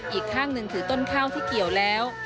อีกข้างหนึ่งถือต้นข้าวที่เกี่ยวแล้ว